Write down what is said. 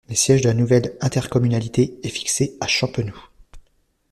Le siège de la nouvelle intercommunalité est fixé à Champenoux.